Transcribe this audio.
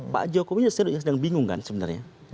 pak jokowi sedang bingung kan sebenarnya